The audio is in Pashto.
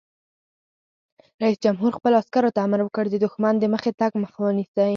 رئیس جمهور خپلو عسکرو ته امر وکړ؛ د دښمن د مخکې تګ مخه ونیسئ!